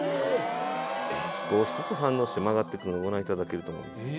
少しずつ反応して曲がってくるのご覧いただけると思うんです。